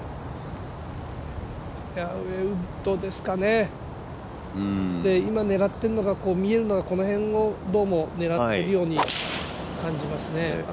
フェアウエーウッドですかね、今狙ってるのが見えるのがこの辺をどうも狙ってるように感じますね。